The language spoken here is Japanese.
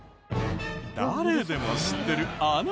誰でも知ってるあの部分。